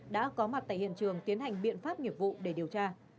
đã có mặt tại hiện trường tiến hành biện pháp nghiệp vụ để điều tra